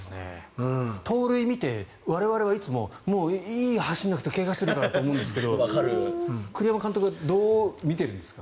盗塁見て我々はいつももう、いいよ走らなくて怪我するからと思うんですが栗山監督はどう見ているんですか？